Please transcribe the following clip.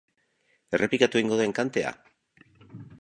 Errepikatu egingo da enkantea?